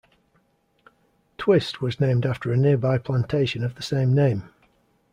Twist was named after a nearby plantation of the same name.